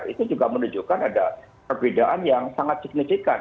itu juga menunjukkan ada perbedaan yang sangat signifikan